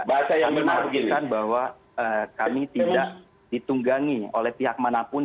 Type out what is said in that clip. kami mengatakan bahwa kami tidak ditunggangi oleh pihak manapun